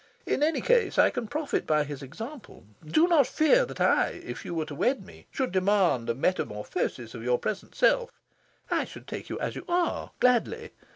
In any case, I can profit by his example. Do not fear that I, if you were to wed me, should demand a metamorphosis of your present self. I should take you as you are, gladly.